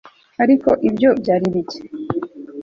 ariko ibyo byari ibiki